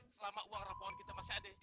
selama uang rapon kita masih ada